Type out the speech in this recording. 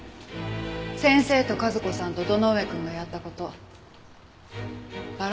先生と和子さんと堂上くんがやった事バラされても。